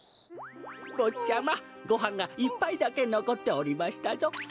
ぼっちゃまごはんが１ぱいだけのこっておりましたぞ。